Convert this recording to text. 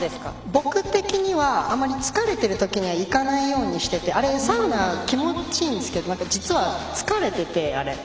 僕的にはあまり疲れている時には行かないようにしててサウナ気持ちいいんですけど実は疲れてて。